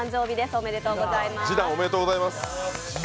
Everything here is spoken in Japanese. おめでとうございます。